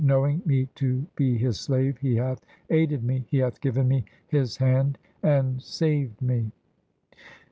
Knowing me to be His slave He hath aided me ; He hath given me His hand and saved me.